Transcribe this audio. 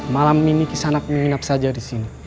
malam ini kisanak menginap saja di sini